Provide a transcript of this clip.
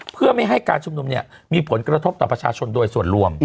เพื่อไม่ให้การชุมนุมเนี่ยมีผลกระทบต่อประชาชนโดยส่วนรวม